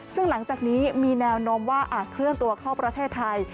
ซึ่งหลังจากนี้มีแนวโน้มว่าอาจเคลื่อนตัวเข้าประเทศไทย